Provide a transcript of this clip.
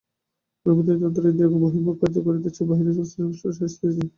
অনুভূতির যন্ত্র ইন্দ্রিয়গণ বহির্মুখ হইয়া কার্য করিতেছে ও বাহিরের বস্তুর সংস্পর্শে আসিতেছে।